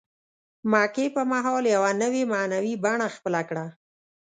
مکې په مهال یوه نوې معنوي بڼه خپله کړه.